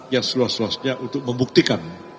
yang seluas luasnya untuk membuktikan